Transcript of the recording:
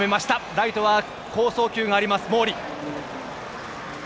ライトは好送球がある毛利。